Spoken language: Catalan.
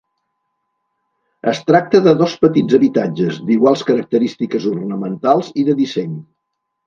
Es tracta de dos petits habitatges, d'iguals característiques ornamentals i de disseny.